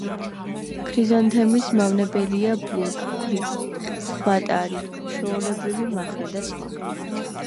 ქრიზანთემის მავნებელია ბუგრი, ხვატარი, ჩვეულებრივი მახრა და სხვა.